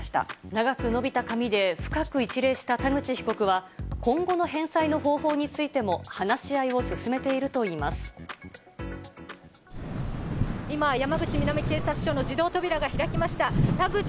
長く伸びた髪で、深く一礼した田口被告は、今後の返済の方法についても話し合いを進めている今、山口南警察署の自動扉が開きました。